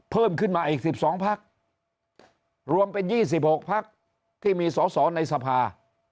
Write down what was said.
เพิ่มขึ้นมาอีก๑๒พักรวมเป็น๒๖พักที่มีสอสอในสภา